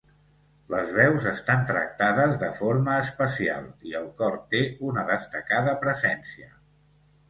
Les veus estan tractades de forma especial, i el cor té una destacada presència.